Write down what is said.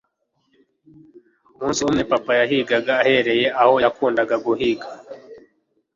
umunsi umwe, papa yahigaga, ahereye aho yakundaga guhiga